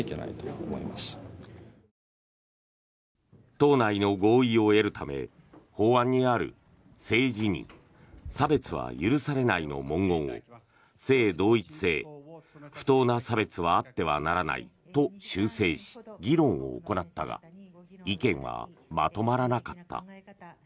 党内の合意を得るため法案にある「性自認」「差別は許されない」の文言を「性同一性」、「不当な差別はあってはならない」と修正し議論を行ったが意見はまとまらなかった。